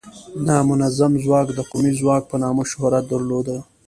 نامنظم ځواک د قومي ځواک په نامه شهرت درلوده.